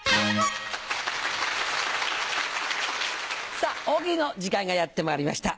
さぁ大喜利の時間がやってまいりました。